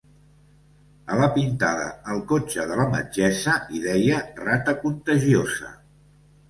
A la pintada al cotxe de la metgessa hi deia rata contagiosa.